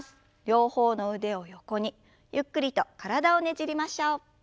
両方の腕を横にゆっくりと体をねじりましょう。